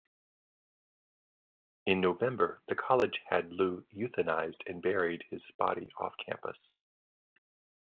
In November, the college had Lou euthanized and buried his body off campus.